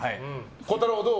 虎太郎どう？